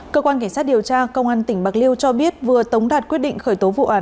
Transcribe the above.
cơ quan cảnh sát điều tra công an tỉnh bạc liêu cho biết vừa tống đạt quyết định khởi tố vụ án khởi tố bị can